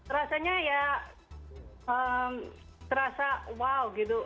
rasanya ya terasa wow gitu